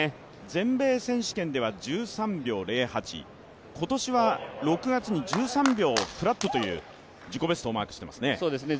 全米選手権では１３秒０８、今年は６月に１３秒フラットという自己ベストをマークしていますね。